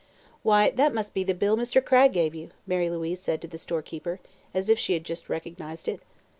"Why, that must be the bill Mr. Cragg gave you," Mary Louise said to the storekeeper, as if she had just recognized it.